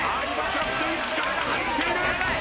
キャプテン力が入っている。